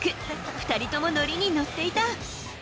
２人とも乗りに乗っていた。